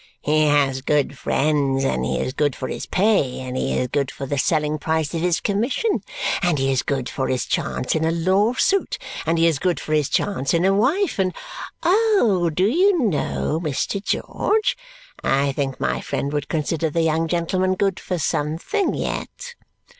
He has good friends, and he is good for his pay, and he is good for the selling price of his commission, and he is good for his chance in a lawsuit, and he is good for his chance in a wife, and oh, do you know, Mr. George, I think my friend would consider the young gentleman good for something yet?"